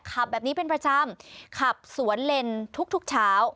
ขับแบบนี้เป็นประจำขับสวนเลนทุกเช้า